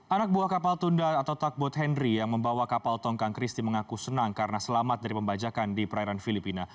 anak buah kapal tunda atau takbot henry yang membawa kapal tongkang christie mengaku senang karena selamat dari pembajakan di perairan filipina